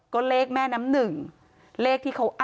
ความปลอดภัยของนายอภิรักษ์และครอบครัวด้วยซ้ำ